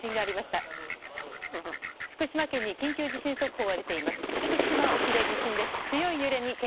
福島県に緊急地震速報が出ています。